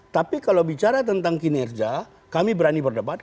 tapi kalau bicara tentang kinerja kami berani berdebat